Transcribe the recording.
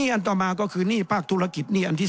แสดงว่าความทุกข์มันไม่ได้ทุกข์เฉพาะชาวบ้านด้วยนะ